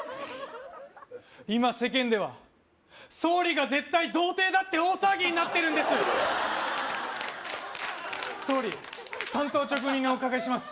今世間では総理が絶対童貞だって大騒ぎになってるんです総理単刀直入にお伺いします